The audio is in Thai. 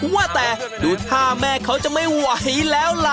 ว่าแต่ดูท่าแม่เขาจะไม่ไหวแล้วล่ะ